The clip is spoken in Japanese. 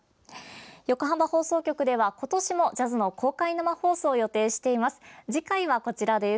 横浜放送局では、今年もジャズの公開生放送を予定しています。